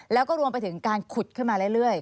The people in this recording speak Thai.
แล้วก็รวมไปถึงการขุดขึ้นมาเรื่อย